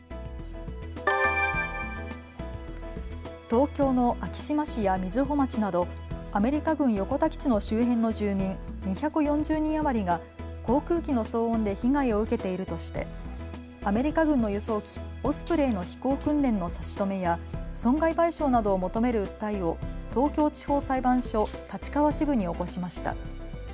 東京の昭島市や瑞穂町などアメリカ軍横田基地の周辺の住民２４０人余りが航空機の騒音で被害を受けているとしてアメリカ軍の輸送機、オスプレイの飛行訓練の差し止めや損害賠償などを求める訴えを東京地方裁判所立川支部に起こしました。